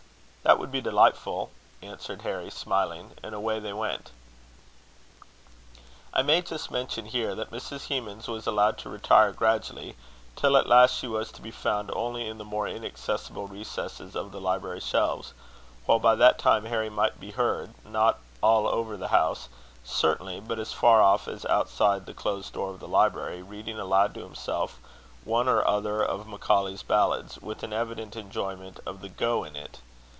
"That would be delightful," answered Harry, smiling. And away they went. I may just mention here that Mrs. Hemans was allowed to retire gradually, till at last she was to be found only in the more inaccessible recesses of the library shelves; while by that time Harry might be heard, not all over the house, certainly, but as far off as outside the closed door of the library, reading aloud to himself one or other of Macaulay's ballads, with an evident enjoyment of the go in it.